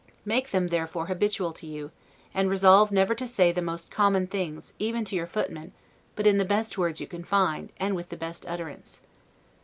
Make them therefore habitual to you; and resolve never to say the most common things, even to your footman, but in the best words you can find, and with the best utterance.